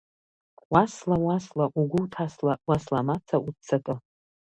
Уасла, уасла угәы уҭасла, уасла амаца уццакы.